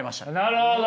なるほど。